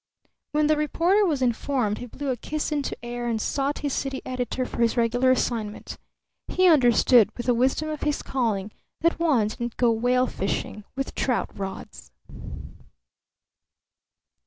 When the reporter was informed he blew a kiss into air and sought his city editor for his regular assignment. He understood, with the wisdom of his calling, that one didn't go whale fishing with trout rods.